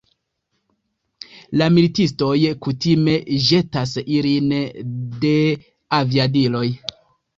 La militistoj kutime ĵetas ilin de aviadiloj.